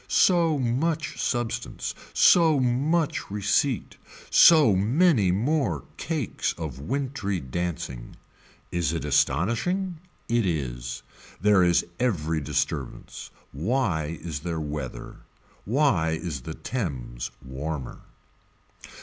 So much substance, so much receipt, so many more cakes of wintry dancing. Is it astonishing. It is. There is every disturbance. Why is there whether. Why is the Thames warmer.